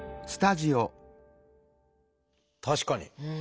確かに。